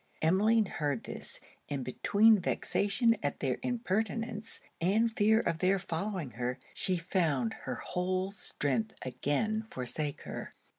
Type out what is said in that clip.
Emmeline heard this; and between vexation at their impertinence, and fear of their following her, she found her whole strength again forsake her.